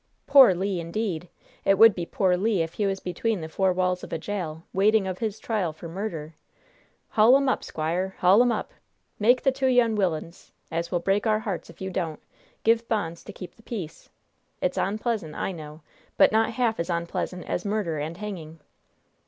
"'Poor Le,' indeed! It would be poor Le if he was between the four walls of a jail, waiting of his trial for murder! Haul 'em up, squire! Haul 'em up! Make the two young wilyuns as will break our hearts if you don't give bonds to keep the peace! It's onpleasant, I know, but not half as onpleasant as murder and hanging."